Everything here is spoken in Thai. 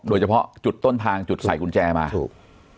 โดยเฉพาะจุดต้นทางจุดใส่กุญแจมาถูก